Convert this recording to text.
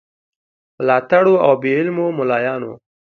ملاتړو او بې علمو مُلایانو.